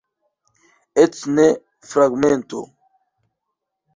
Eĉ ne fragmento.